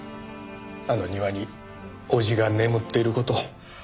あの庭に叔父が眠っている事を。